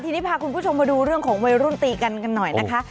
ทีนี้พาคุณผู้ชมมาดูเรื่องของวัยรุ่นตีกันกันหน่อยนะคะ